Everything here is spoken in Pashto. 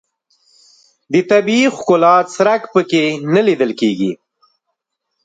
د طبیعي ښکلا څرک په کې نه لیدل کېږي.